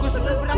gue suka berenang